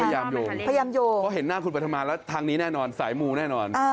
พยายามโยงเพราะเห็นหน้าคุณปรัฐมาแล้วทางนี้แน่นอนสายมูแน่นอน